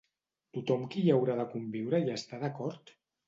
Tothom qui hi haurà de conviure hi està d'acord?